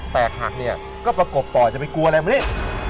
แต่ขักนี่ก็ประกบป่อยจะไม่กลัวอะไรมานี่